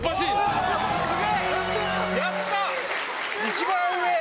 一番上！